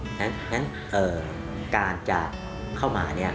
ฉะนั้นการจะเข้ามา